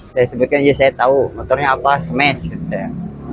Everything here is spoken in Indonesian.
saya sebutkan aja saya tahu motornya apa smash gitu ya